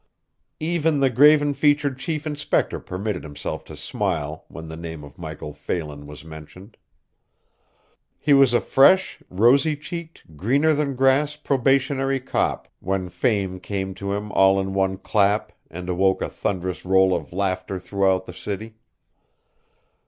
Even the graven featured chief inspector permitted himself to smile when the name of Michael Phelan was mentioned. He was a fresh, rosy cheeked, greener than grass probationary cop when fame came to him all in one clap and awoke a thunderous roll of laughter throughout the city.